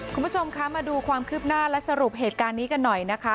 คุณผู้ชมคะมาดูความคืบหน้าและสรุปเหตุการณ์นี้กันหน่อยนะคะ